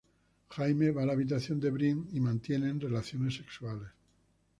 Jaime va a la habitación de Brienne y tienen relaciones sexuales.